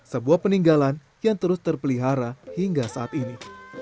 sebuah peninggalan yang terus terpelihara hingga saat ini